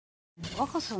若狭さん